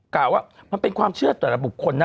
กล่าวว่ามันเป็นความเชื่อแต่ละบุคคลนะ